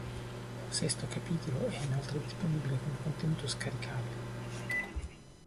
Un sesto capitolo è inoltre disponibile come contenuto scaricabile.